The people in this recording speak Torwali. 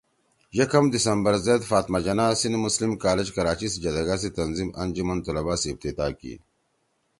یکم دسمبر زید فاطمہ جناح سندھ مسلم کالج کراچی سی جدَگا سی تنظیم ”انجمن طلبہ“ سی افتتاح کی